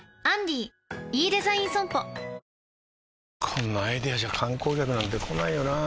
こんなアイデアじゃ観光客なんて来ないよなあ